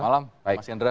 selamat malam mas yendra